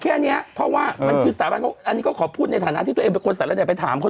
เกี่ยวกันที่พูดกับคนสำเร็จ